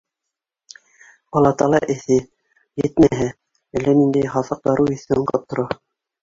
Палатала эҫе, етмәһә, әллә ниндәй һаҫыҡ дарыу еҫе аңҡып тора.